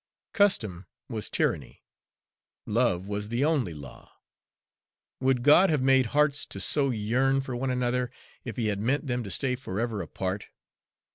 Custom was tyranny. Love was the only law. Would God have made hearts to so yearn for one another if He had meant them to stay forever apart?